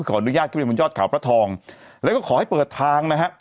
ขออนุญาตกรรมยอตเผลอพระทองแล้วก็ขอให้เปิดทางนะฮะ